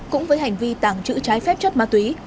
cũng với hành vi tàng trữ trái phép chất ma túy